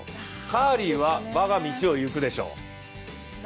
カーリーは我が道を行くでしょう。